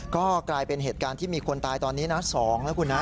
ก็กลายเป็นเหตุการณ์ที่มีคนตายตอนนี้นะ๒นะคุณนะ